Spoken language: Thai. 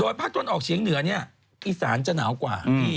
โดยภาคตัวนออกเฉียงเหนืออีสานจะหนาวกว่า